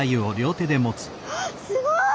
わあすごい！